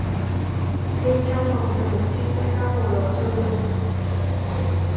Bên trong phòng thờ Chinh vẫn đang ngồi đó chờ đợi